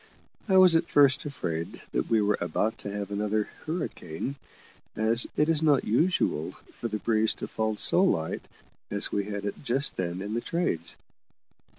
I was at first afraid that we were about to have another hurricane, as it is not usual for the breeze to fall so light as we had it just then in the trades.